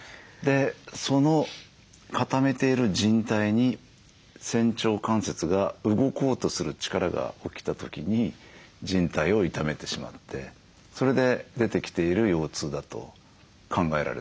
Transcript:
その固めている靭帯に仙腸関節が動こうとする力が起きた時に靭帯を痛めてしまってそれで出てきている腰痛だと考えられてます。